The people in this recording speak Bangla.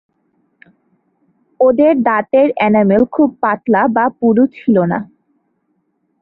ওদের দাঁতের এনামেল খুব পাতলা বা পুরু ছিল না।